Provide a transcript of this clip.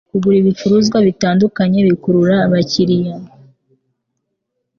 kugura ibicuruzwa bitandukanye bikurura abakiriya